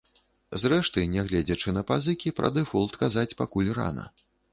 Зрэшты, нягледзячы на пазыкі пра дэфолт казаць пакуль рана.